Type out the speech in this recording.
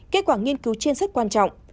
kết quả nghiên cứu trên rất quan trọng